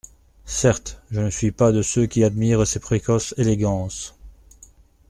Certes, je ne suis pas de ceux qui admirent ces précoces élégances.